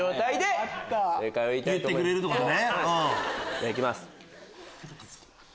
じゃあ行きます。